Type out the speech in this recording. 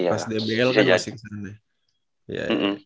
pas dbl kan masih kesana ya